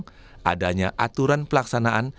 mengatakan bahwa peradilan militer adalah aturan pelaksanaan